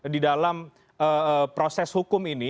di dalam proses hukum ini